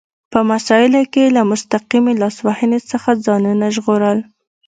په مسایلو کې یې له مستقیمې لاس وهنې څخه ځانونه ژغورل.